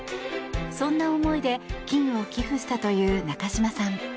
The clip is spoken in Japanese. そんな思いで金を寄付したという中嶋さん。